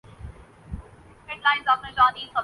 چلے بھی آؤ کہ گلشن کا کاروبار چلے